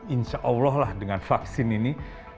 insya allah lah dengan vaksin ini